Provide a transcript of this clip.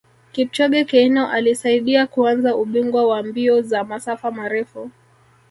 Kipchoge Keino alisaidia kuanza ubingwa wa mbio za masafa marefu